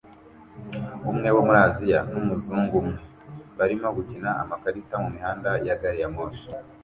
(umwe wo muri Aziya numuzungu umwe) barimo gukina amakarita mumihanda ya gari ya moshi